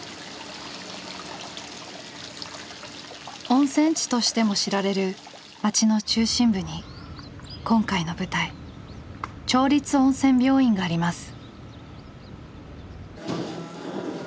温泉地としても知られる町の中心部に今回の舞台町立温泉病院があります。